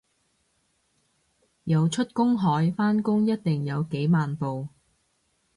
游出公海返工一定有幾萬步